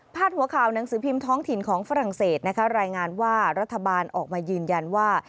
หัวข่าวหนังสือพิมพ์ท้องถิ่นของฝรั่งเศสนะคะรายงานว่ารัฐบาลออกมายืนยันว่า